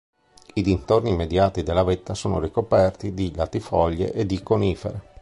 I dintorni immediati della vetta sono ricoperti di latifoglie e di conifere.